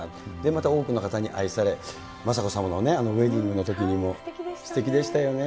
また多くの方に愛され、雅子さまのウエディングのときにも、すてきでしたよね。